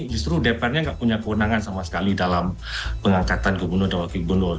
justru dpr nya nggak punya kewenangan sama sekali dalam pengangkatan gubernur dan wakil gubernur